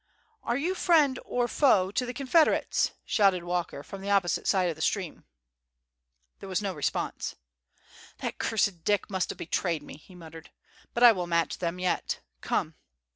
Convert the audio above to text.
"Are you friend or foe to the Confederates?" shouted Walker, from the opposite side of the stream. There was no response. "That cursed Dick must have betrayed me," he muttered. "But, I will match them yet. Come!"